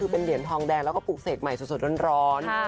เป็นเหรียญทองแดงแล้วก็ปลูกเสกใหม่สดร้อน